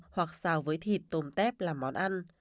hoặc xào với thịt tôm tép làm món ăn